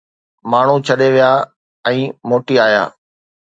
ماڻهو ڇڏي ويا ۽ موٽي آيا